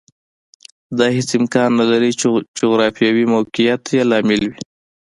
دا هېڅ امکان نه لري چې جغرافیوي موقعیت یې لامل وي